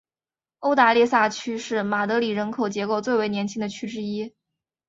欧达列萨区是马德里人口结构最为年轻的区之一。